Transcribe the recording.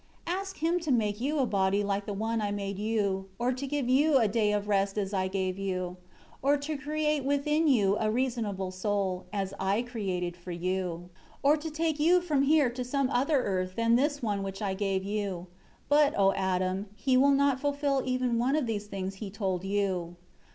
6 Ask him to make you a body like the one I made you, or to give you a day of rest as I gave you; or to create within you a reasonable soul, as I created for you; or to take you from here to some other earth than this one which I gave you. But, O Adam, he will not fulfil even one of the things he told you.